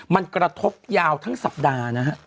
มันกระทบยาวทั้งสัปดาห์นะฮะ